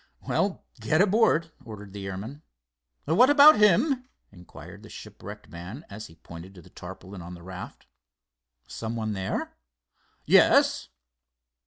"Well, get aboard," ordered the airman. "What about him?" inquired the shipwrecked man, and he pointed to the tarpaulin on the raft. "Someone there?" "Yes."